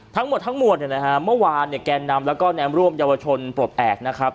ทั้งหมดทั้งหมวดเมื่อวานแกนนำและแนะร่มร่วมเยาวชนปลดแอบ